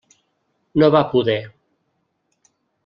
No va poder.